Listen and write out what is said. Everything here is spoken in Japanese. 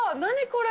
これ！